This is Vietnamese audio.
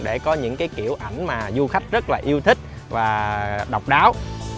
để có những cái kiểu ảnh mà du khách rất là yêu thích và độc đáo